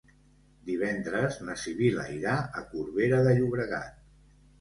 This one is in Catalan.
Divendres na Sibil·la irà a Corbera de Llobregat.